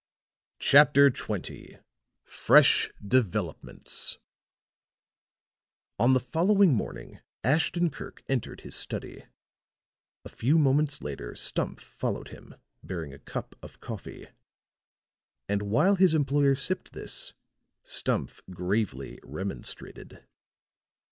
CHAPTER XX FRESH DEVELOPMENTS On the following morning Ashton Kirk entered his study; a few moments later Stumph followed him, bearing a cup of coffee. And while his employer sipped this, Stumph gravely remonstrated.